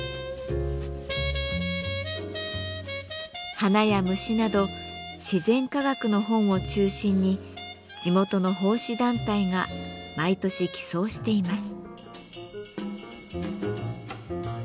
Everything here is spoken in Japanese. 花や虫など自然科学の本を中心に地元の奉仕団体が毎年寄贈しています。